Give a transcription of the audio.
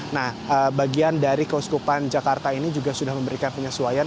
nah bagian dari keuskupan jakarta ini juga sudah memberikan penyesuaian